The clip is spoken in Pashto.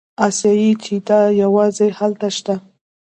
اسیایي چیتا یوازې هلته شته.